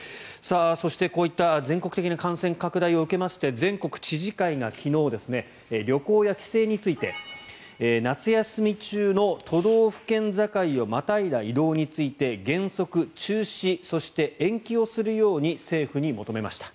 そして、こういった全国的な感染拡大を受けまして全国知事会が昨日旅行や帰省について夏休み中の都道府県境をまたいだ移動について原則中止そして延期をするように政府に求めました。